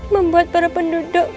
membuat para penduduk